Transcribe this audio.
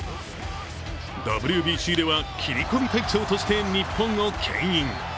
ＷＢＣでは切り込み隊長として日本をけん引。